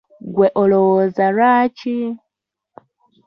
Ggwe olowooza lwaki?